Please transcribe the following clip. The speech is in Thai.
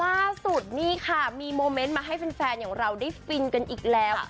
ล่าสุดนี่ค่ะมีโมเมนต์มาให้แฟนอย่างเราได้ฟินกันอีกแล้ว